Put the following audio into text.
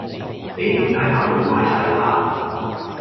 你條呔打到歪哂喇